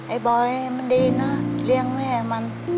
บอยมันดีนะเลี้ยงแม่มัน